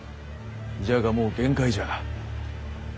じゃがもう限界じゃ。